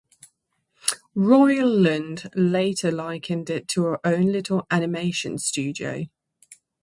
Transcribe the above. Roiland later likened it to our own little animation studio.